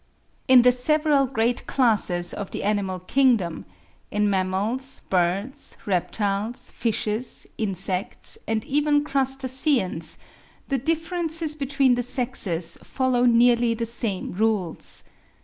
In the several great classes of the animal kingdom,—in mammals, birds, reptiles, fishes, insects, and even crustaceans,—the differences between the sexes follow nearly the same rules.